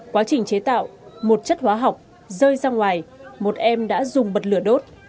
quá trình chế tạo một chất hóa học rơi ra ngoài một em đã dùng bật lửa đốt